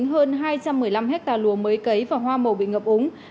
hơn hai trăm một mươi năm hectare lúa mới cấy và hoa màu bị ngập úng